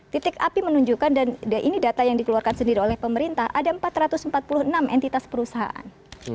titik api menunjukkan dan ini data yang dikeluarkan sendiri oleh pemerintah ada empat ratus empat puluh enam entitas perusahaan